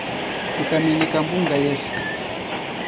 Uka meneka mbunga yeswe.